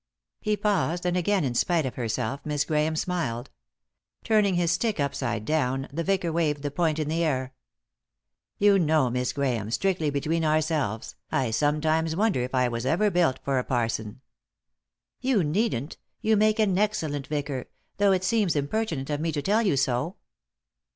He paused, and, again in spite of herself, Miss Grahame smiled. Turning his stick upside down, the vicar waved the point in the air. "You know, Miss Grahame, strictly between our selves, I sometimes wonder if I was ever built for a parson." " You needn't ; you make an excellent vicar, though it seems impertinent of me to tell you so."